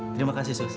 terima kasih sus